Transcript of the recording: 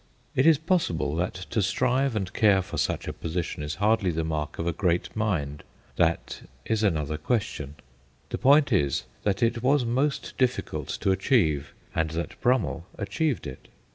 It is possible that to strive and care for such a position is hardly the mark of a great mind ; that is another question ; the point is that it was most difficult to achieve, and that Brummell achieved it.